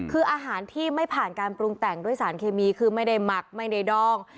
คืออาหารที่ไม่ผ่านการปรุงแต่งด้วยสารเคมีคือไม่ได้หมักไม่ได้ดอง